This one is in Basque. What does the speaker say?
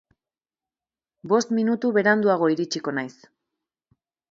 Bost minutu beranduago iritsiko naiz.